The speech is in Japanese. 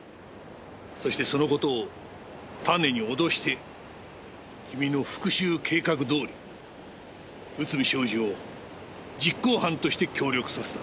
そしてそのことをタネに脅して君の復讐計画どおり内海将司を実行犯として協力させた。